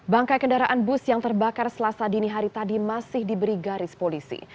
bangkai kendaraan bus yang terbakar selasa dini hari tadi masih diberi garis polisi